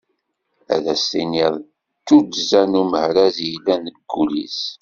Ad as-tiniḍ d tuddza n umehraz i yellan deg wul-is.